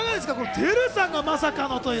ＴＥＲＵさんがまさかのという。